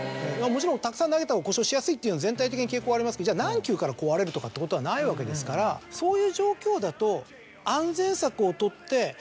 もちろんたくさん投げたら故障しやすいという全体的な傾向はありますけど何球から壊れるとかってことはないわけですからそういう状況だと。